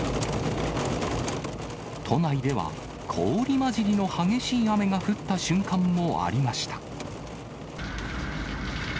都内では氷交じりの激しい雨が降った瞬間もありました。